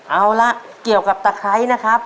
เอาละเกี่ยวกับตะไคร้นะครับ